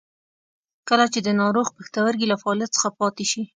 کله چې د ناروغ پښتورګي له فعالیت څخه پاتې شي.